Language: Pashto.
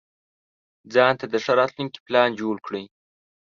ځانته د ښه راتلونکي پلان جوړ کړئ.